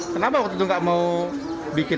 kenapa waktu itu nggak mau bikin